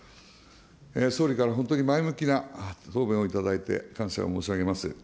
総理から本当に前向きな答弁をいただいて、感謝を申し上げます。